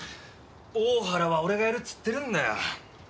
おおはらは俺がやるっつってるんだよ